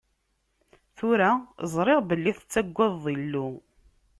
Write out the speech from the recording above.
Tura, ẓriɣ belli tettagadeḍ Illu.